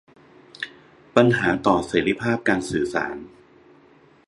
ปัญหาต่อเสรีภาพการสื่อสาร